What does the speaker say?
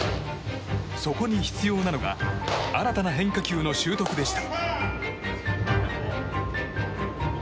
そこに必要なのが新たな変化球の習得でした。